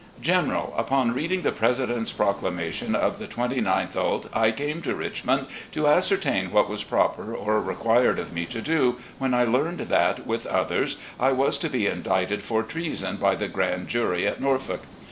"General: Upon reading the President's proclamation of the 29th ult., I came to Richmond to ascertain what was proper or required of me to do, when I learned that, with others, I was to be indicted for treason by the grand jury at Norfolk.